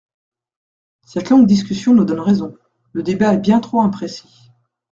Cette longue discussion nous donne raison : le débat est bien trop imprécis.